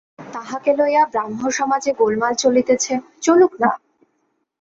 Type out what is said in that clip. তাহাকে লইয়া ব্রাহ্মসমাজে গোলমাল চলিতেছে, চলুক-না।